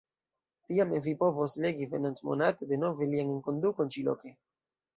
Tiam vi povos legi venontmonate denove lian enkondukon ĉi-loke!